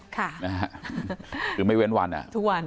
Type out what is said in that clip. ค่ะคือไม่เว้นวันอ่ะ